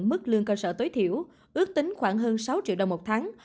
mức lương cơ sở tối thiểu ước tính khoảng hơn sáu triệu đồng một tháng